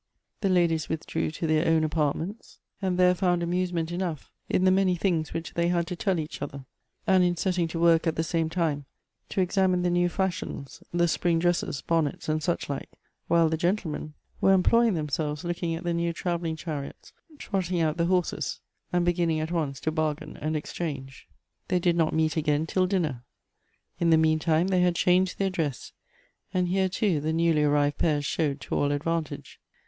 The ladies withdrew to their own apartments, and there found amusement enough in the many things which they had to tell each other, and in setting to work at the same time to examine the new fashions, the spring dresses, bonnets, and such like; while the gentlemen were employing themselves looking at the new travelling chariots, trotting out the horses, and beginning at once to bargain and exchange. They did not meet again till dinner ; in the mean time they had changed their dress. And here, too, the newly arrived pair showed to all advantage.